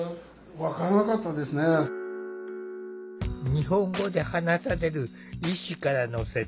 日本語で話される医師からの説明。